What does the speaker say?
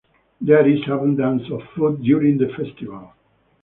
There is abundance of food during the festival.